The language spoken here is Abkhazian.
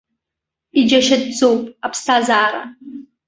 Иџьашьатәӡоуп аԥсҭазаара.